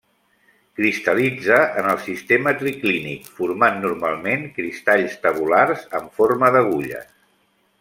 Cristal·litza en el sistema triclínic, formant normalment cristalls tabulars en forma d'agulles.